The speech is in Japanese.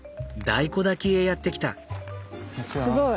大根焚きへやって来た。